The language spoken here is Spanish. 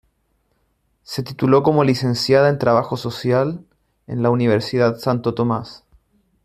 Se tituló como Licenciada en Trabajo Social en la Universidad Santo Tomás.